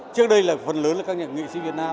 trước đây là phần lớn là các nghệ sĩ việt nam